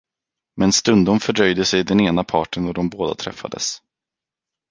Men stundom fördröjde sig den ena parten och de båda träffades.